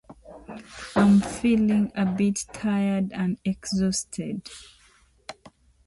The members of the Frat Pack have worked regularly with certain directors.